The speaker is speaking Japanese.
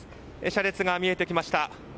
車列が見えてきました。